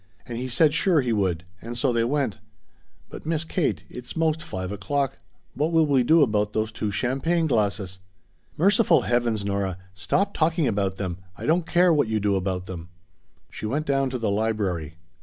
And he said sure he would and so they went. But, Miss Kate it's most five o'clock what will we do about those two champagne glasses!" "Merciful heavens, Nora! Stop talking about them! I don't care what you do about them!" She went down to the library.